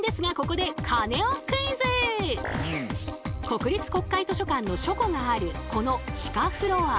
国立国会図書館の書庫があるこの地下フロア。